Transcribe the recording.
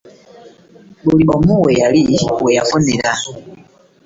Buli omu we yali we yafunira.